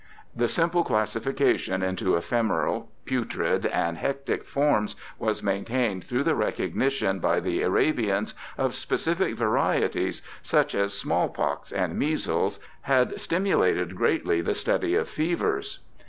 The simple classification into ephemeral, putrid, and hectic forms was maintained, though the recognition by the Arabians of specific varieties, such as small pox and measles, had stimulated greatly the study of fevers.